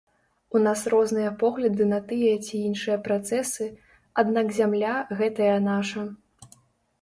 У нас розныя погляды на тыя ці іншыя працэсы, аднак зямля гэтая наша.